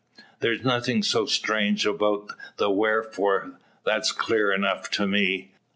"There's nothing so strange about the wherefore; that's clear enough to me.